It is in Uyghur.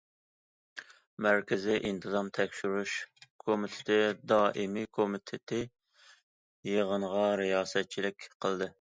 مەركىزىي ئىنتىزام تەكشۈرۈش كومىتېتى دائىمىي كومىتېتى يىغىنغا رىياسەتچىلىك قىلدى.